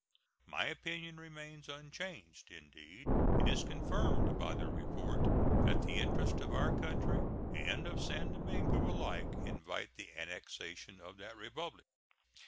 My opinion remains unchanged; indeed, it is confirmed by the report that the interests of our country and of San Domingo alike invite the annexation of that Republic.